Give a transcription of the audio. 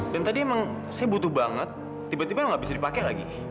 dan tadi emang saya butuh banget tiba tiba nggak bisa dipakai lagi